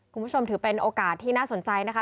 คุณผู้ชมถือเป็นโอกาสที่น่าสนใจนะคะ